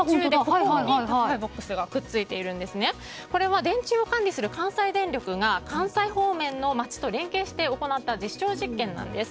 これは電柱を管理する関西電力が関西方面の街と連携して行った実証実験なんです。